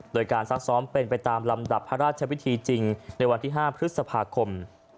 โดยการซักซ้อมเป็นไปตามลำดับพระราชวิธีจริงในวันที่๕พฤษภาคม